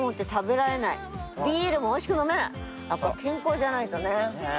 やっぱ健康じゃないとね。